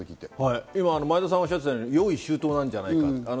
前田さんがおっしゃったように用意周到なんじゃないかと。